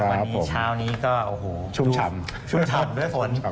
วันนี้เช้านี้ก็โอ้โหชุ่มฉ่ำชุ่มฉ่ำด้วยฝน